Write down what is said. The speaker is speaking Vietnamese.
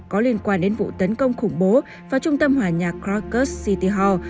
có liên quan đến vụ tấn công khủng bố vào trung tâm hòa nhà krakow city hall